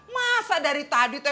masa dari tadi tuh